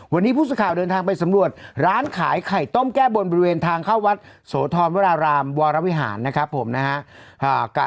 วันนี้ผู้สื่อข่าวเดินทางไปสำรวจร้านขายไข่ต้มแก้บนบริเวณทางเข้าวัดโสธรวรารามวรวิหารนะครับผมนะฮะ